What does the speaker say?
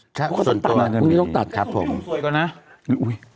น่าจะมีร่านส่วนตัดลนี่ต้องตัดแล้วก็ส่วนปืนผมสวยกว่านะ